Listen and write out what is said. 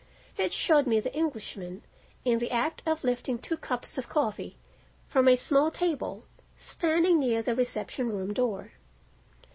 It showed me the Englishman in the act of lifting two cups of coffee from a small table standing near the reception room door.